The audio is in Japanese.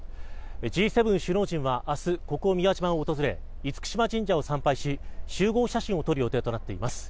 Ｇ７首脳陣は明日そろって訪れ、厳島神社を参拝し、集合写真を撮る予定となっています。